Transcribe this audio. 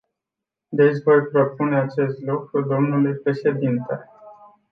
Deci voi propune acest lucru dlui președinte.